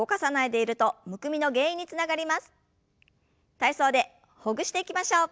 体操でほぐしていきましょう。